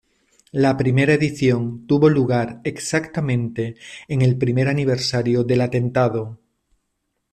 La primera edición tuvo lugar exactamente en el primer aniversario del atentado.